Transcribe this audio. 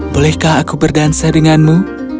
bolehkah aku berdansa denganmu